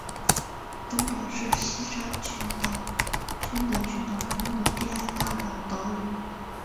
东岛是西沙群岛宣德群岛中的第二大的岛屿。